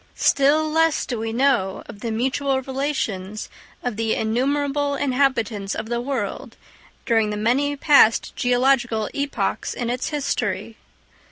Still less do we know of the mutual relations of the innumerable inhabitants of the world during the many past geological epochs in its history.